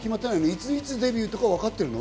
いついつデビューとかわかってるの？